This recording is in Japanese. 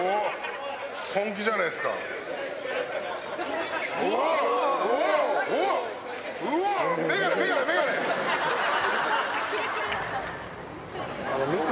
本気じゃないですか。